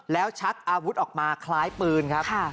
แล้วชักอาวุธออกมาคล้ายปืนครับ